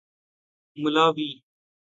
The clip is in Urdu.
ملاوی